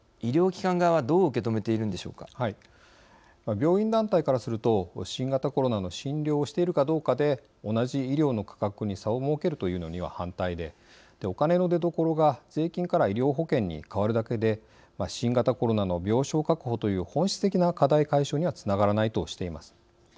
病院団体からすると新型コロナの診療をしているかどうかで同じ医療の価格に差を設けるというのには反対でお金の出どころが税金から医療保険に代わるだけで新型コロナの病床確保という本質的な課題解消にはつながらないとしています。